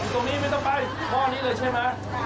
ตรงนี้ไม่ต้องไปทอดนี้เลยใช่ไหม